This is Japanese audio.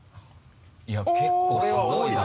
いや結構すごいな。